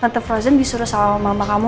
atau frozen disuruh sama mama kamu